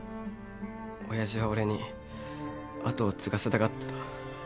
親父は俺に後を継がせたがってた。